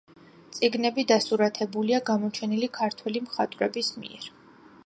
წიგნები დასურათებულია გამოჩენილი ქართველი მხატვრების მიერ.